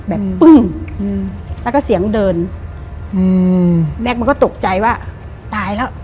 ปึ้งอืมแล้วก็เสียงเดินอืมแม็กซมันก็ตกใจว่าตายแล้ว